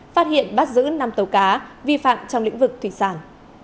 phát hiện bắt giữ năm tàu cá vi phạm trong lĩnh vực thủy sản